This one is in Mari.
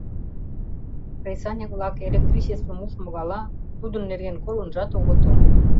Кресаньык-влак электричествым ужмо гала, тудын нерген колынжат огытыл.